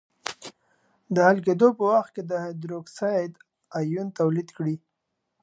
د حل کېدو په وخت د هایدروکساید آیون تولید کړي.